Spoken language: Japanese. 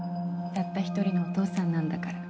たった１人のお父さんなんだから。